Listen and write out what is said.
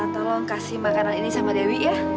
tolong kasih makanan ini sama dewi ya